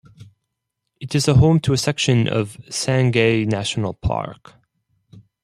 It is a home to a section of Sangay National Park.